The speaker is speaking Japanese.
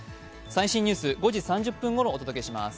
最新ニュース、５時３０分ごろお届けします。